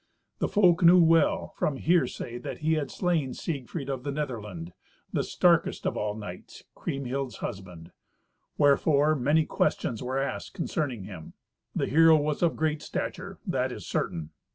The folk knew well, from hearsay, that he had slain Siegfried of the Netherland, the starkest of all knights, Kriemhild's husband. Wherefore many questions were asked concerning him. The hero was of great stature; that is certain.